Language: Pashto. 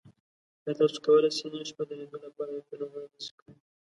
ایا تاسو کولی شئ نن شپه د لیدو لپاره یو فلم وړاندیز کړئ؟